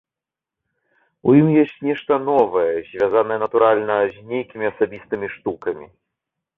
У ім ёсць нешта новае, звязанае, натуральна, з нейкімі асабістымі штукамі.